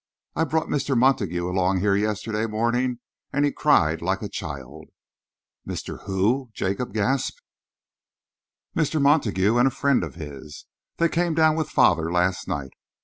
I brought Mr. Montague along here yesterday morning, and he cried like a child." "Mr. Who?" Jacob gasped. "Mr. Montague and a friend of his. They came down with father last night.